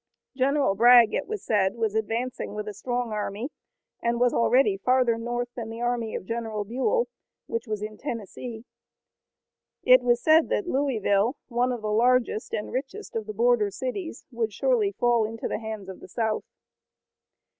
General Bragg, it was said, was advancing with a strong army, and was already farther north than the army of General Buell, which was in Tennessee. It was said that Louisville, one of the largest and richest of the border cities, would surely fall into the hands of the South.